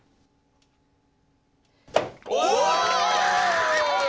お！